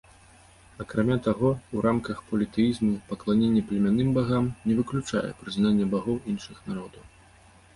Акрамя таго, у рамках політэізму пакланенне племянным багам не выключае прызнання багоў іншых народаў.